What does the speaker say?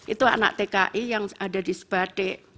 itu anak tki yang ada di sebatik